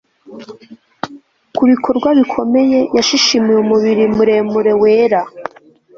Kubikorwa bikomeye Yashishimuye umubiri muremure wera